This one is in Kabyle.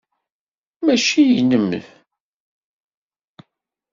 Mačči inem.